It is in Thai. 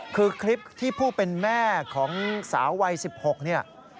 คือคลิปที่ผู้เป็นแม่ของสาววัย๑๖เนี่ย